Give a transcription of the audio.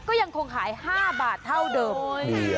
ก็ยังคงขาย๕บาทเท่าเดิม